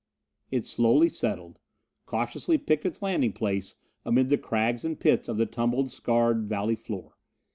It slowly settled, cautiously picked its landing place amid the crags and pits of the tumbled scarred valley floor.